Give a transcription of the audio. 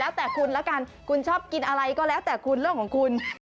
แล้วแต่คุณแล้วกันคุณชอบกินอะไรก็แล้วแต่คุณเรื่องของคุณ